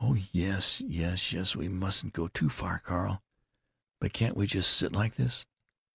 "Oh yes, yes, yes, we mustn't go too far, Carl. But can't we just sit like this?